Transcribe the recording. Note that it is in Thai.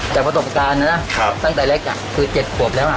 จากประสบการณ์นะครับครับตั้งแต่แรกอ่ะคือเจ็ดขวบแล้วอ่ะ